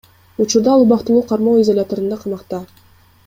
Учурда ал убактылуу кармоо изоляторунда камакта.